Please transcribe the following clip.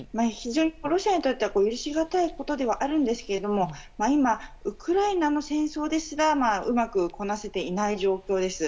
ロシアにとっては許しがたいことではあるんですけれども今、ウクライナの戦争ですらうまくこなせていない状況です。